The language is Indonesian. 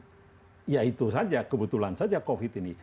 dan ya itu saja kebetulan saja covid ini